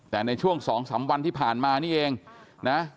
แต่ในช่วง๒๓วันที่ผ่านมานี่เองนะ